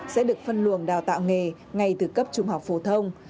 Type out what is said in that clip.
sẽ được phân luồng đào tạo nghề ngay từ cấp trung học phổ thông